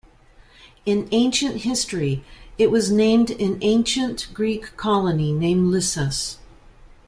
In ancient history it was an ancient Greek colony named Lissus.